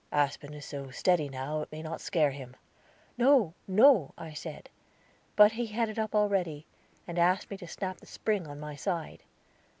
Aspen is so steady now, it may not scare him." "No, no," I said; but he had it up already, and asked me to snap the spring on my side.